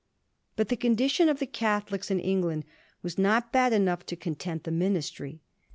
But the condition of the Catholics in England was not bad enough to content the ministry.